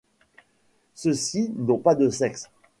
Ceux-ci n'ont pas de sexe.